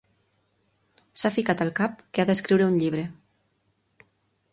S'ha ficat al cap que ha d'escriure un llibre.